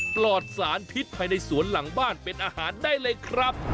ปลอดสารพิษภายในสวนหลังบ้านเป็นอาหารได้เลยครับ